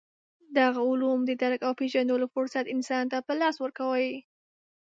دغه علوم د درک او پېژندلو فرصت انسان ته په لاس ورکوي.